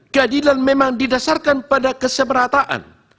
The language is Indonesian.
keadilan memang didasarkan pada kesemerataan